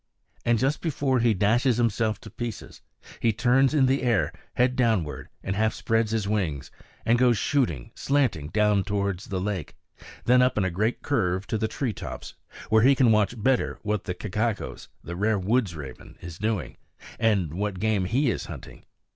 And just before he dashes himself to pieces he turns in the air, head downward, and half spreads his wings, and goes shooting, slanting down towards the lake, then up in a great curve to the tree tops, where he can watch better what Kakagos, the rare woods raven, is doing, and what game he is hunting.